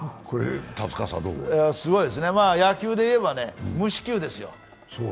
すごいですね、野球でいえば無四球ですよ。